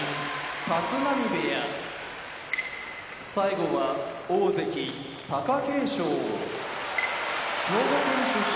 立浪部屋大関・貴景勝兵庫県出身